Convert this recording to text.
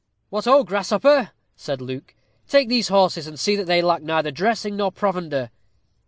"What ho! Grasshopper," said Luke, "take these horses, and see that they lack neither dressing nor provender."